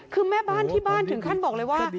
คือแม่บ้านที่บ้านถึงขั้นบอกเลยว่า